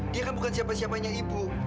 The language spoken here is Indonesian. dia kan bukan siapa siapanya ibu